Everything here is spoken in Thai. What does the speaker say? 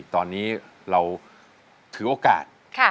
ตอนนี้เราถือโอกาส